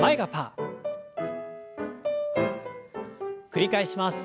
繰り返します。